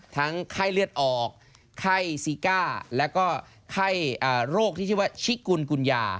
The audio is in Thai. ไข้เลือดออกไข้ซีก้าแล้วก็ไข้โรคที่ชื่อว่าชิกุลกุญญา